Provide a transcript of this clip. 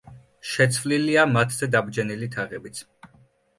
შეცვლილია მათზე დაბჯენილი თაღებიც.